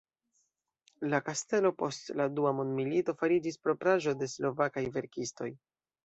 La kastelo post la dua mondmilito fariĝis propraĵo de slovakaj verkistoj.